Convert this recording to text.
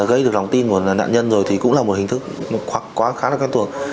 gây được lòng tin của nạn nhân rồi thì cũng là một hình thức khá là khán thuộc